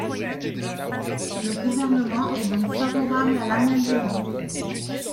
Le Gouvernement est donc favorable à l’amendement.